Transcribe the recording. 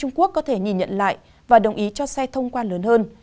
trung quốc có thể nhìn nhận lại và đồng ý cho xe thông quan lớn hơn